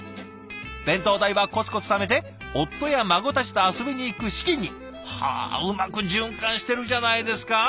弁当代はコツコツためて夫や孫たちと遊びに行く資金に。はうまく循環してるじゃないですか。